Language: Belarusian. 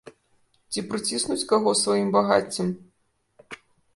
Ці прыціснуць каго сваім багаццем?